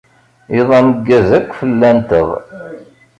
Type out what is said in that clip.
Iḍ ameggaz akk fell-anteɣ.